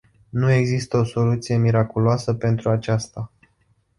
Nu există o soluție miraculoasă pentru aceasta.